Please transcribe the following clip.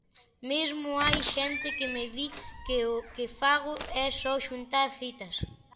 Mesmo hai xente que me di que o que fago é só xuntar citas.